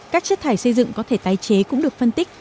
các chất thải xây dựng có thể tái chế cũng được phân tích